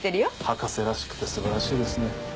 博士らしくて素晴らしいですね。